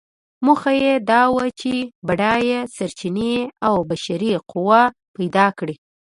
موخه یې دا وه چې بډایه سرچینې او بشري قوه پیدا کړي.